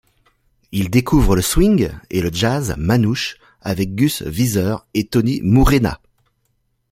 Il découvre le swing et le jazz manouche avec Gus Viseur et Tony Muréna.